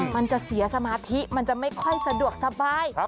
มันจะเสียสมาธิมันจะไม่ค่อยสะดวกสบาย